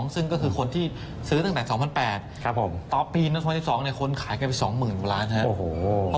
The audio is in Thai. ซึ่งก็คือคนที่ซื้อตั้งแต่๒๐๐๘ครับผมต่อปี๒๐๑๒เนี่ยคนขายกันไป๒หมื่นกว่าล้านครับ